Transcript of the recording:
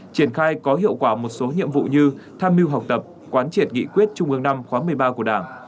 triển khai có hiệu quả một số nhiệm vụ như tham mưu học tập quán triệt nghị quyết trung ương năm khóa một mươi ba của đảng